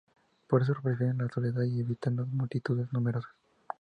Por eso prefieren la soledad y evitan las multitudes numerosas.